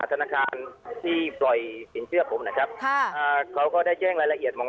ธนาคารที่ปล่อยสินเชื่อผมนะครับค่ะอ่าเขาก็ได้แจ้งรายละเอียดของ